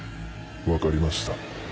分かりました。